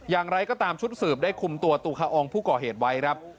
อย่างไรก็ตามชุดสืบได้คุมตัวตุคาอองผู้ก่อเหตุไว้ครับ